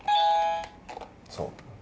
そう。